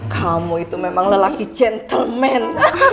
kamu itu memang lelaki gentleman